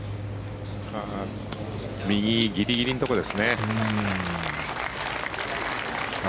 右ギリギリのところです。